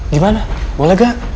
gimana boleh gak